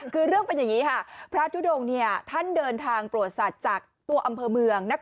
คือเรื่องเป็นอย่างนี้ค่ะพระทุดงท่านเดินทางตรวจสัตว์จากตัวอำเภอเมือง